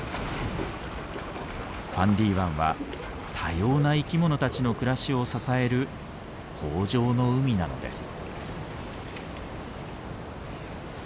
ファンディ湾は多様な生き物たちの暮らしを支える豊じょうの海なのです。